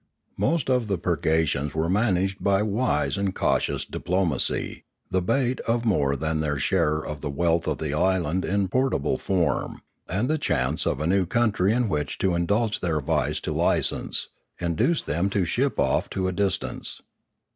Most of the purgations were managed by wise and cautious diplomacy ; the bait of more than their share of the wealth of the island in portable form, and the chance of a new country in which to indulge their vice to license, induced them to ship off to a dis tance.